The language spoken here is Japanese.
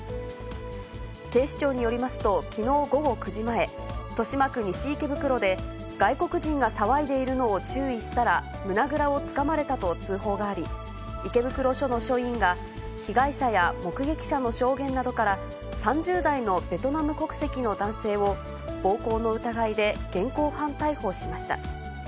警視庁によりますと、きのう午後９時前、豊島区西池袋で、外国人が騒いでいるのを注意したら、胸倉をつかまれたと通報があり、池袋署の署員が、被害者や目撃者の証言などから、３０代のベトナム国籍の男性を、暴行の疑いで現行犯逮捕しました。